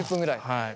はい。